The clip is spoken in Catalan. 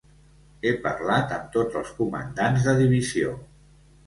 He parlat amb tots els comandants de divisió.